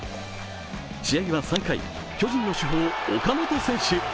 試合は３回巨人の主砲・岡本選手。